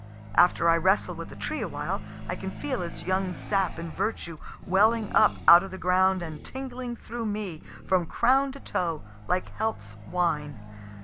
After I wrestle with the tree awhile, I can feel its young sap and virtue welling up out of the ground and tingling through me from crown to toe, like health's wine.